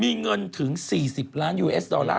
มีเงินถึง๔๐ล้านยูเอสดอลลาร์